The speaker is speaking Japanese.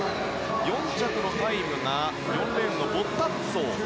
４着のタイムが４レーンのボッタッツォ。